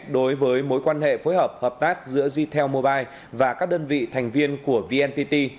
đối với mối quan hệ phối hợp hợp tác giữa gtel mobile và các đơn vị thành viên của vnpt